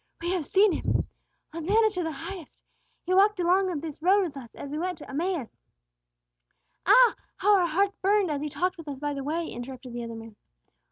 "We have seen Him. Hosanna to the Highest! He walked along this road with us as we went to Emmaus." "Ah, how our hearts burned as He talked with us by the way!" interrupted the other man.